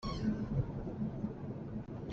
Nizaan zingka ah ka tli.